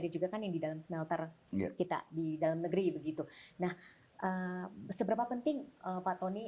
juga kan yang di dalam smelter kita di dalam negeri begitu nah seberapa penting pak tony